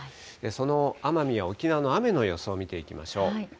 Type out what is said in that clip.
その奄美や沖縄の雨の予想を見ていきましょう。